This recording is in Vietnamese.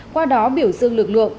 qua đó biểu dương lực lượng